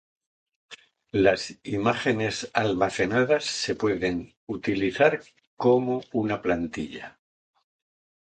Las imágenes almacenadas se pueden utilizar como una plantilla.